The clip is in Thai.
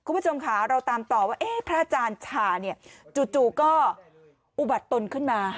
คุณผู้ชมค่ะเราตามต่อว่าพระอาจารย์ชาเนี่ยจู่ก็อุบัติตนขึ้นมา